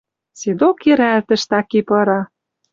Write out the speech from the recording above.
Седок йӹрӓлтӹш так и пыра.